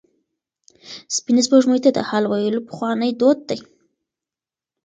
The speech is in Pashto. سپینې سپوږمۍ ته د حال ویل پخوانی دود دی.